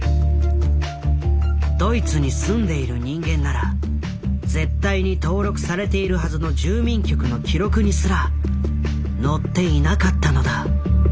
ドイツに住んでいる人間なら絶対に登録されているはずの住民局の記録にすら載っていなかったのだ。